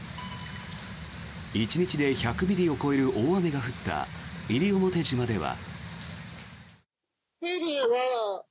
１日で１００ミリを超える大雨が降った西表島では。